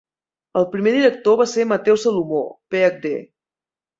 El primer director va ser Mateu Salomó, PhD.